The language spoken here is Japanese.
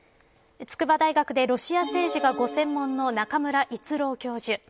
筑波大学でロシア政治がご専門の中村逸郎教授